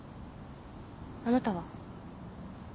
あなたは？